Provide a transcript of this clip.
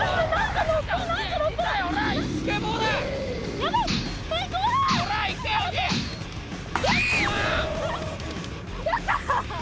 やったー！